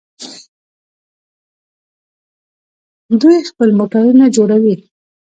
دوی خپل موټرونه جوړوي.